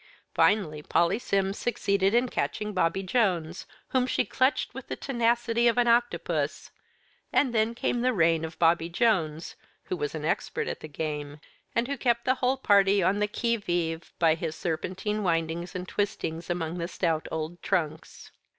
Finally Polly Sims succeeded in catching Bobby Jones, whom she clutched with the tenacity of an octopus; and then came the reign of Bobby Jones, who was an expert at the game, and who kept the whole party on the qui vive by his serpentine windings and twistings among the stout old trunks.